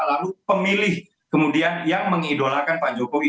lalu pemilih kemudian yang mengidolakan pak jokowi